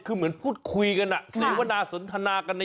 คือเหมือนพูดคุยกันนะ